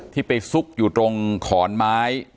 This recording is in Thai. ที่ไปซุกอยู่ตรงขอนไม้